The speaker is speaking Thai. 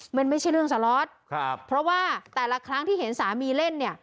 มันไม่ใช่เรื่องสล็อตครับเพราะว่าแต่ละครั้งที่เห็นสามีเล่นเนี่ย